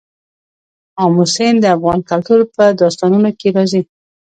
آمو سیند د افغان کلتور په داستانونو کې راځي.